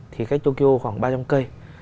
thì cách tokyo khoảng ba trăm linh cây